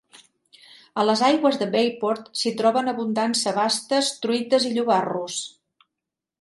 A les aigües de Bayport s'hi troben abundants sebastes, truites i llobarros.